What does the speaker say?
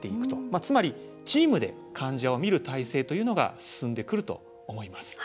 つまりチームで患者を診る体制が進んでくると思います。